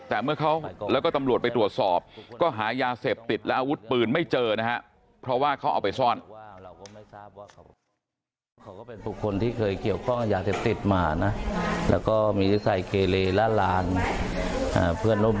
แต่เมื่อเขาและก็ตัวสอบก็หายาเสพติดและอาวุธปืนไม่ได้เจอ